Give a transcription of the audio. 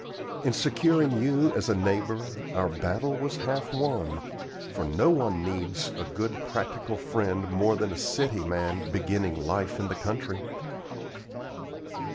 In securing you as a neighbor our battle was half won, for no one needs a good practical friend more than a city man beginning life in the country."